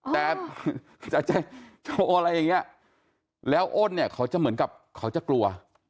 แต่จะโชว์อะไรอย่างนี้แล้วอ้นเนี่ยเขาจะเหมือนกับเขาจะกลัว